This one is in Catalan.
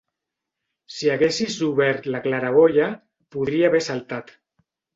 Si haguessis obert la claraboia, podria haver saltat.